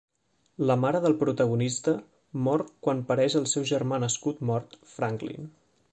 La mare del protagonista mor quan pareix el seu germà nascut mort Franklin.